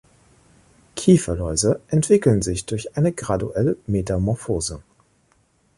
Kieferläuse entwickeln sich durch eine graduelle Metamorphose.